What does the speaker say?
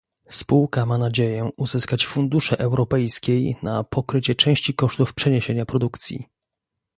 Spółka ma nadzieję uzyskać fundusze europejskiej na pokrycie części kosztów przeniesienia produkcji